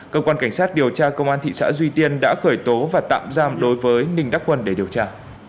cơ quan cảnh sát điều tra công an thị xã duy tiên đã khởi tố và tạm giam đối với ninh đắc quân để điều tra